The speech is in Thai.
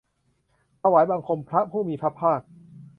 ถวายบังคมพระผู้มีพระภาค